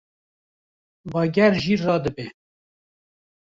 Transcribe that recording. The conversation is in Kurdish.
Bager jî radibe